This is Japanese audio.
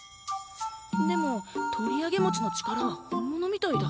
でもとりあげもちの力は本物みたいだ。